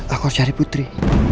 aku harus cari putri